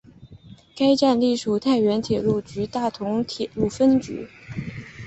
该站隶属太原铁路局大同铁路分局。